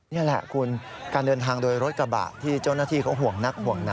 นี่แหละคุณการเดินทางโดยรถกระบะที่เจ้าหน้าที่เขาห่วงนักห่วงหนัก